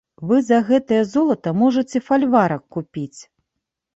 Вы за гэтае золата можаце фальварак купіць!